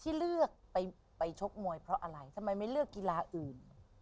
ที่เลือกไปชกมวยเพราะอะไรทำไมไม่เลือกกีฬาอื่น